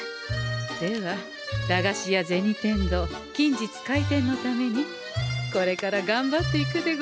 では駄菓子屋銭天堂近日開店のためにこれからがんばっていくでござんすよ。